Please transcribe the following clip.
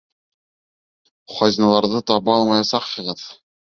Хазиналарҙы таба алмаясаҡһығыҙ.